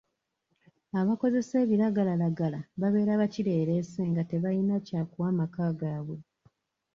Abakozesa ebiragalalagala babeera ba kireereese nga tebayina kyakuwa maka gaabwe.